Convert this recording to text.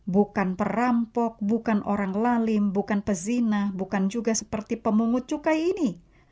bukan perampok bukan orang lalim bukan pezinah bukan juga seperti pemungut cukai ini